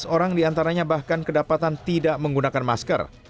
tiga belas orang diantaranya bahkan kedapatan tidak menggunakan masker